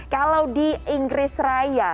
kalau di inggris raya